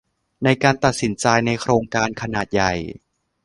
ในการตัดสินใจในโครงการขนาดใหญ่